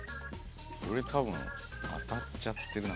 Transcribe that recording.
俺多分当たっちゃってるな。